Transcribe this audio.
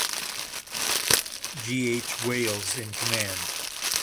G. H. Wales in command.